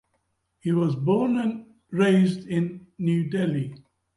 He was born and raised in New Delhi.